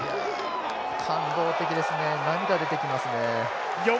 感動的ですね涙、出てきますね。